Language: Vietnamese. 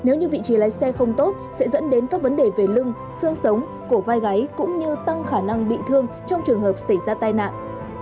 nếu như vị trí lái xe không tốt sẽ dẫn đến các vấn đề về lưng xương sống cổ vai gáy cũng như tăng khả năng bị thương trong trường hợp xảy ra tai nạn